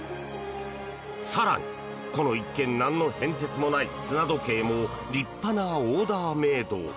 更に、この一見なんの変哲もない砂時計も立派なオーダーメイド。